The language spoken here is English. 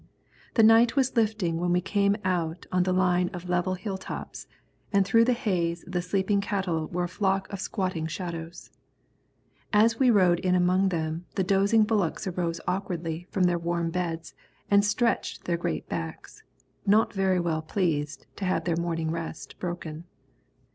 The night was lifting when we came out on the line of level hill tops, and through the haze the sleeping cattle were a flock of squatting shadows. As we rode in among them the dozing bullocks arose awkwardly from their warm beds and stretched their great backs, not very well pleased to have their morning rest broken.